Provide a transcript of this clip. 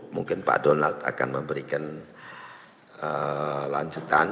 mungkin pak donald akan memberikan lanjutan